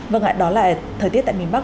vâng ạ đó là thời tiết tại miền bắc